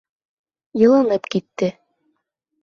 Йылынып китте.